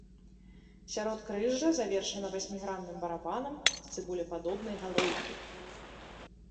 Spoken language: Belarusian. Сяродкрыжжа завершана васьмігранным барабанам з цыбулепадобнай галоўкай.